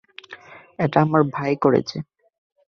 এটা আমার ভাই করেছে!